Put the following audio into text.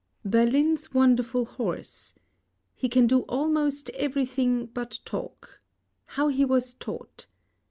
BERLIN'S WONDERFUL HORSE He Can Do Almost Everything but Talk :^ How He Was Taught.